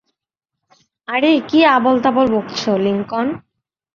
আরে, কী আবোলতাবোল বকছো, লিংকন।